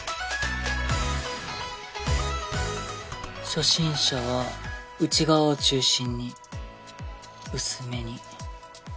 初心者は内側を中心に薄めに。